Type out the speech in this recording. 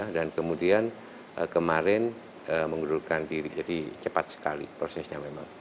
dan kemudian kemarin mengundurkan diri jadi cepat sekali prosesnya memang